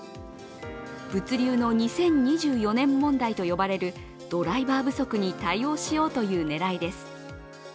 物流の２０２４年問題と呼ばれるドライバー不足に対応しようという狙いです。